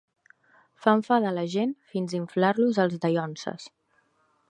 Fa enfadar la gent fins inflar-los els dallonses.